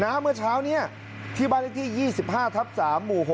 เมื่อเช้านี้ที่บ้านเลขที่๒๕ทับ๓หมู่๖